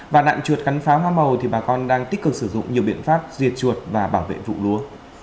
và nạn chuột cắn phá hoa màu thì bà con đang tích cực sử dụng nhiều biện pháp diệt chuột và bảo vệ vụ lúa